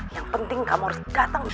yang penting kamu harus datang